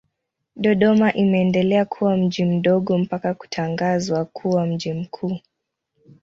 Dodoma imeendelea kuwa mji mdogo mpaka kutangazwa kuwa mji mkuu.